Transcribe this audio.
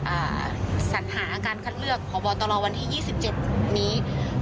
อ่าสัญหาการคัดเลือกพบตรวันที่ยี่สิบเจ็ดนี้